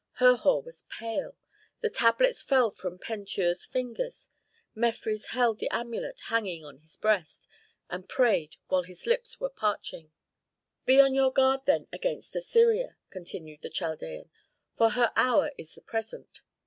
Herhor was pale; the tablets fell from Pentuer's fingers; Mefres held the amulet hanging on his breast, and prayed while his lips were parching. "Be on your guard then against Assyria," continued the Chaldean, "for her hour is the present.